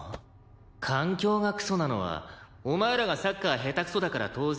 「環境がクソなのはお前らがサッカー下手くそだから当然だ」